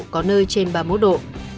có nơi trên ba mươi một độ